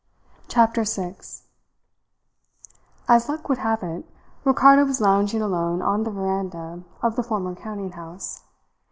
CHAPTER SIX As luck would have it, Ricardo was lounging alone on the veranda of the former counting house.